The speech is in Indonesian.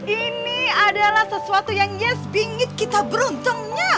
ini adalah sesuatu yang yes bingit kita beruntungnya